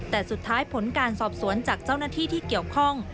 แต่สุดท้ายผลการสอบสวนจากเจ้าหน้าที่ที่เกี่ยวข้อง